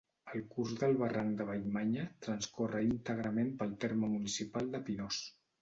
El curs del Barranc de Vallmanya transcorre íntegrament pel terme municipal de Pinós.